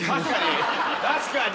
確かに。